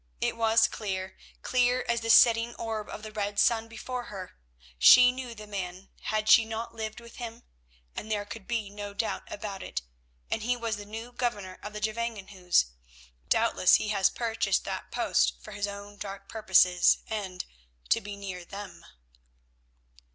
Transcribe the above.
It was clear, clear as the setting orb of the red sun before her. She knew the man—had she not lived with him?—and there could be no doubt about it, and—he was the new governor of the Gevangenhuis. Doubtless he has purchased that post for his own dark purposes and—to be near them.